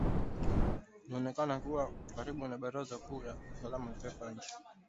inayoonekana kuwa karibu na baraza kuu la usalama la taifa la nchi hiyo